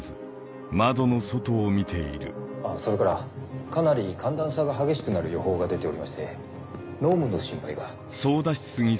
あぁそれからかなり寒暖差が激しくなる予報が出ておりまして濃霧の心配が。